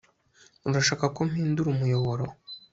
Urashaka ko mpindura umuyoboro